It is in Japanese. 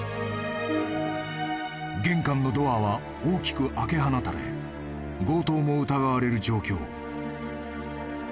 ［玄関のドアは大きく開け放たれ強盗も疑われる状況］